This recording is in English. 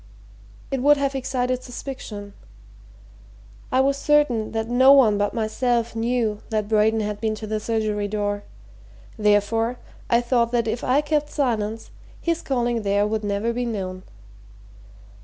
"It would have excited suspicion. I was certain that no one but myself knew that Braden had been to the surgery door therefore, I thought that if I kept silence, his calling there would never be known.